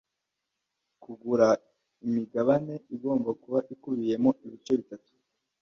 kugura imigabane igomba kuba ikubiyemo ibice bitatu